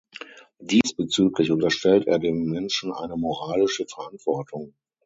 Diesbezüglich unterstellt er dem Menschen eine moralische Verantwortung.